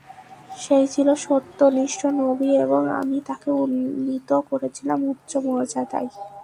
সে ছিল সত্যনিষ্ঠ, নবী এবং আমি তাকে উন্নীত করেছিলাম উচ্চ মর্যাদায়।